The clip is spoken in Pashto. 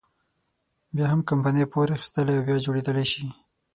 بيا هم کمپنۍ پور اخیستلی او بیا جوړېدلی شي.